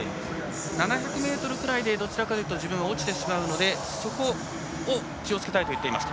７００ｍくらいでどちらかというと自分は落ちてしまうのでそこを気をつけたいと言っていました。